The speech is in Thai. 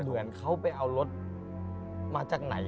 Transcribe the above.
เหมือนเขาไปเอารถมาจากไหน